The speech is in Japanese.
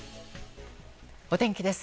お天気です。